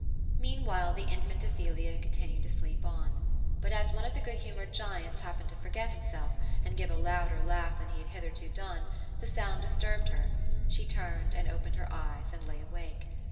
Meantime the infant Ophelia continued to sleep on. But a.<; one of the good humoured giants happened to forget himself, and give a louder laugh than he had hitherto done, the sound disturbed her ; she turned, and opened her eyes, and lay awake.